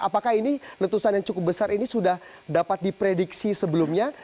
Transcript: apakah ini letusan yang cukup besar ini sudah dapat diprediksi sebelumnya